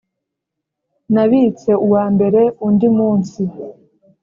nabitse uw’ambere undi munsi!